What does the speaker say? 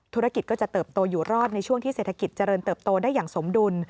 ธุรกิจก็จะเติบโตอยู่รอดในช่วงที่เศรษฐกิจเจริญเติบโตได้อย่างสมดุล